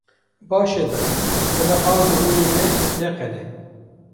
Baş e dayê, bila ard û rûnê me neqede.